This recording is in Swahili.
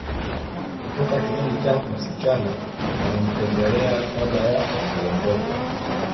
Kutoka kijiji cha msichana wanamtembelea kabla ya kuondoka